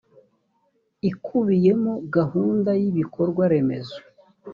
ikubiyemo gahunda y ibikorwa remezo